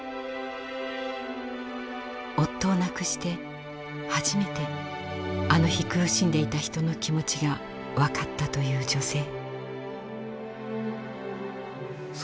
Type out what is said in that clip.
夫を亡くして初めてあの日苦しんでいた人の気持ちが分かったという女性。